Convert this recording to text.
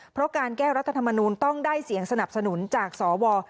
เพราะการแก้รัฐธรรมนูลต้องได้เสียงสนับสนุนจากสว